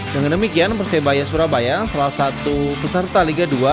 dengan demikian persebaya surabaya salah satu peserta liga dua